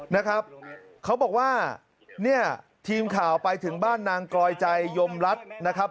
นะครับเขาบอกว่าเนี่ยทีมข่าวไปถึงบ้านนางกรอยใจยมรัฐนะครับ